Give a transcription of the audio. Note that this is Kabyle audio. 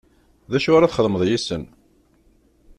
D acu ara txedmeḍ yes-sen.